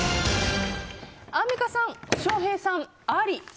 アンミカさん、翔平さん、あり。